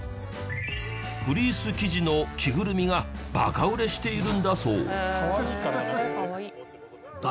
フリース生地の着ぐるみがバカ売れしているのだそう。